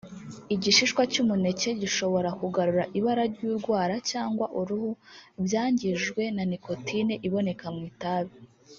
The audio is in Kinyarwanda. Igishihwa cy’umuneke gishobora kugarura ibara ry’urwara cyangwa uruhu byangijwe na nicotine iboneka mu itabi